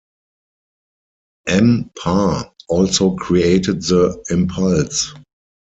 Am-Par also created the Impulse!